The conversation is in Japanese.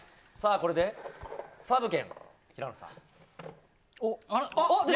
これでサーブ権、平野さん。